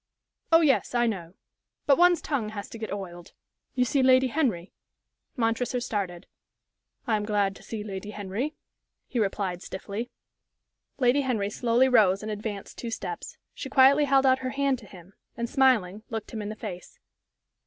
"Oh yes, I know. But one's tongue has to get oiled. You see Lady Henry?" Montresor started. "I am glad to see Lady Henry," he replied, stiffly. Lady Henry slowly rose and advanced two steps. She quietly held out her hand to him, and, smiling, looked him in the face.